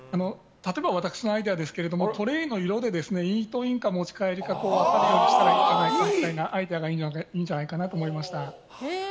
例えば私のアイデアですがトレーの色でイートインかお持ち帰りか分けられるようなアイデアがいいんじゃないかと思いました。